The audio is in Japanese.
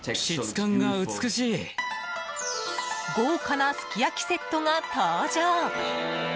豪華なすき焼きセットが登場！